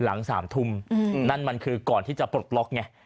หลัง๓ทุ่มนั่นมันคือก่อนที่จะปลดล็อกไง